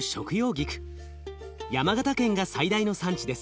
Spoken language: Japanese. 山形県が最大の産地です。